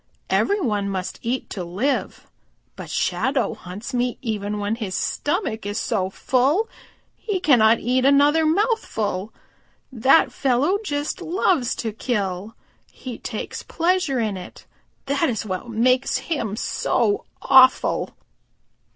Every one must eat to live. But Shadow hunts me even when his stomach is so full he cannot eat another mouthful. That fellow just loves to kill. He takes pleasure in it. That is what makes him so awful."